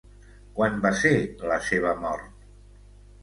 Quan va ser la seva mort?